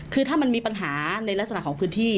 คือถ้ามันมีปัญหาในลักษณะของพื้นที่